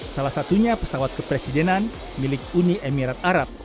salah satunya pesawat kepresidenan milik uni emirat arab